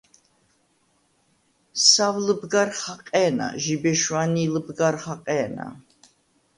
სავ ლჷბგარ ხაყე̄ნა, ჟიბე შვანი̄ ლჷბგარ ხაყე̄ნა.